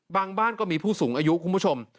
บ้านก็มีผู้สูงอายุคุณผู้ชม